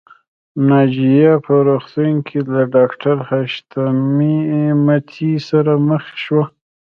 ناجیه په روغتون کې له ډاکټر حشمتي سره مخ شوه